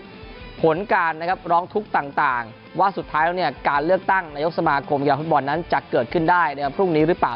ผลการร้องทุกข์ต่างว่าสุดท้ายแล้วเนี่ยการเลือกตั้งนายกสมาคมกีฬาฟุตบอลนั้นจะเกิดขึ้นได้ในวันพรุ่งนี้หรือเปล่า